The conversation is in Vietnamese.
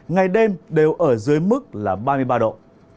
ngày đêm đều ở dưới mức là ba mươi ba độ